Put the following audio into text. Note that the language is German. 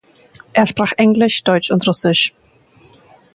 Er sprach englisch, deutsch und russisch.